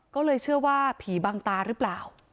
ก็เลยเชื่อว่าผีบังตาหรือเปล่า